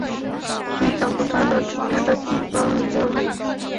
却找不到她的皮包和钥匙。